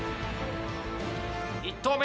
１投目！